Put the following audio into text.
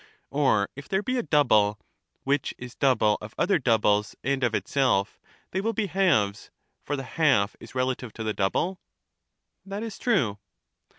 Or if there be a double which is double of other doubles and of itself, they will be halves; for the half is relative to the double? That is true.